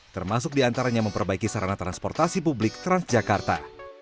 termasuk diantaranya memperbaiki sarana transportasi publik transjakarta